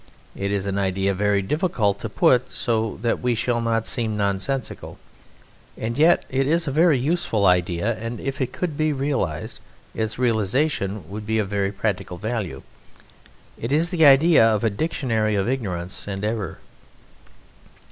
It is an idea very difficult to put so that we shall not seem nonsensical; and yet it is a very useful idea, and if it could be realized its realization would be of very practical value. It is the idea of a Dictionary of Ignorance and Error.